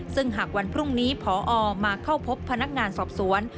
ซึ่งหากวันพรุ่งนี้พอมาเข้าพบพนักงานสอบสวน